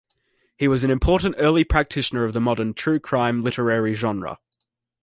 He was an important early practitioner of the modern "true crime" literary genre.